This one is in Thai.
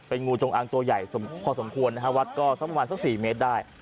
งูจงอางตัวใหญ่พอสมควรนะฮะวัดก็สักประมาณสัก๔เมตรได้